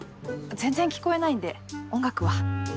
全然聞こえないんで音楽は。